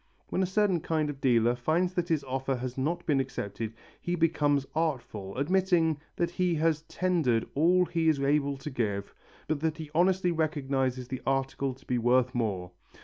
When a certain kind of dealer finds that his offer has not been accepted he becomes artful, admitting that he has tendered all he is able to give, but that he honestly recognizes the article to be worth more.